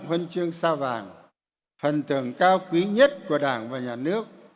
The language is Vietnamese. huân chương sao vàng phần tưởng cao quý nhất của đảng và nhà nước